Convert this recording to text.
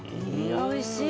おいしい！